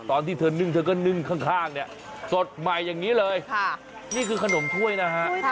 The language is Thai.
โอ้โฮขนมถ้วยนะ